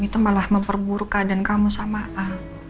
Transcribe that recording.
itu malah memperburukan dan kamu sama a